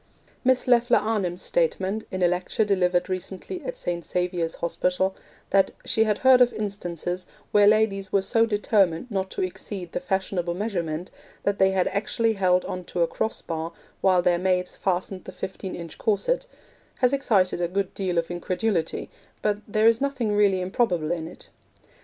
Miss Leffler Arnim's statement, in a lecture delivered recently at St. Saviour's Hospital, that 'she had heard of instances where ladies were so determined not to exceed the fashionable measurement that they had actually held on to a cross bar while their maids fastened the fifteen inch corset,' has excited a good deal of incredulity, but there is nothing really improbable in it.